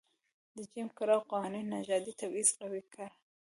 د جېم کراو قوانینو نژادي تبعیض قوي کړ.